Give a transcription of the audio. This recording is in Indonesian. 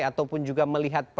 ataupun juga melihatnya